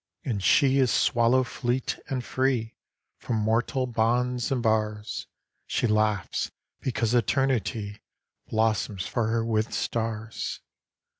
And she is swallow fleet, and freeFrom mortal bonds and bars. She laughs, because eternityBlossoms for her with stars!